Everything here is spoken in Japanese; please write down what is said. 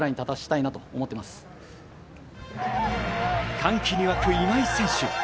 歓喜に沸く今井選手。